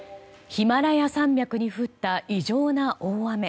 ヒマラヤ山脈に降った異常な大雨。